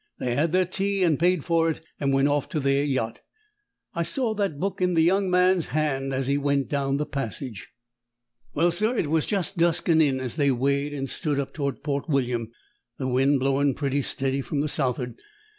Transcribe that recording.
They had their tea, and paid for it, and went off to their yacht. I saw that book in the young man's hand as he went down the passage. "Well, sir, it was just dusking in as they weighed and stood up towards Port William, the wind blowing pretty steady from the south'ard.